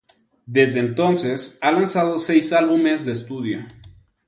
Desde entonces ha lanzado seis álbumes de estudio.